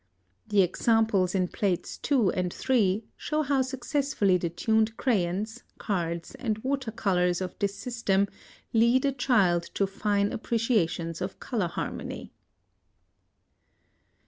The examples in Plates II. and III. show how successfully the tuned crayons, cards, and water colors of this system lead a child to fine appreciations of color harmony.